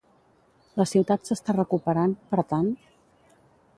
La ciutat s'està recuperant, per tant?